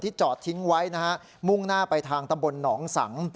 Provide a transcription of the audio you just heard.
จอดทิ้งไว้นะฮะมุ่งหน้าไปทางตำบลหนองสัง